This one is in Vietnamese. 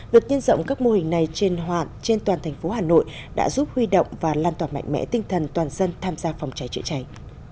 được nhân dọng các mô hình này trên hoạt trên toàn thành phố hà nội đã giúp huy động và lan toàn mạnh mẽ tinh thần toàn dân tham gia phòng cháy chửa cháy